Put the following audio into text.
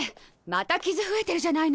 また傷増えてるじゃないの。